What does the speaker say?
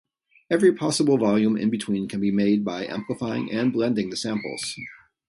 Every possible volume in between can be made by amplifying and blending the samples.